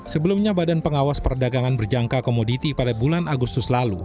sebelumnya badan pengawas perdagangan berjangka komoditi pada bulan agustus lalu